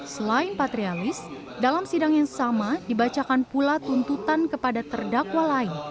selain patrialis dalam sidang yang sama dibacakan pula tuntutan kepada terdakwa lain